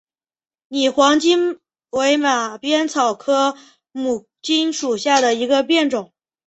拟黄荆为马鞭草科牡荆属下的一个变种。